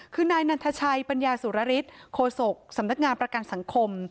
คือนายนันทชัยปัญญาสุรฤทธิ์โคศกสำนักงานประกันสังคม